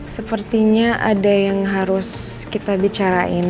sepertinya ada yang harus kita bicarain